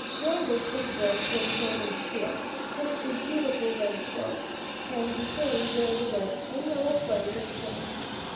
Columbus was dressed in shining steel, with a beautiful red cloak, and he carried the red and yellow flag of Spain.